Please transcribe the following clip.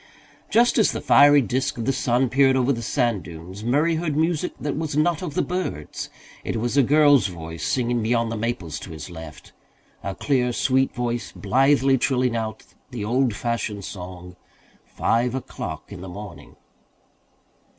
Just as the fiery disc of the sun peered over the sand dunes Murray heard music that was not of the birds. It was a girl's voice singing beyond the maples to his left a clear sweet voice, blithely trilling out the old fashioned song, "Five O'Clock in the Morning."